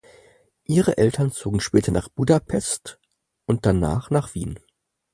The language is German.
Ihre Eltern zogen später nach Budapest und danach nach Wien.